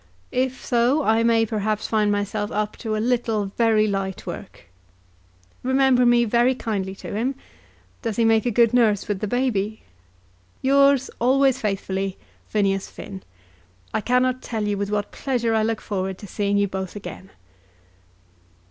If so I may, perhaps, find myself up to a little very light work. Remember me very kindly to him. Does he make a good nurse with the baby? Yours, always faithfully, PHINEAS FINN. I cannot tell you with what pleasure I look forward to seeing you both again.